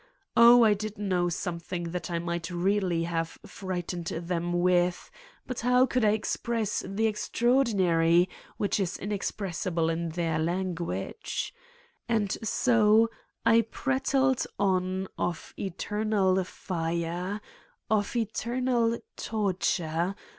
Oh, I did know something that I might really have frightened them with but how could I express the extraordinary which is inexpressible in their lan guage? And so I prattled on of eternal fire. Of eternal torture.